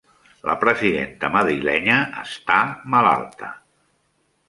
La presidenta madrilenya està malalta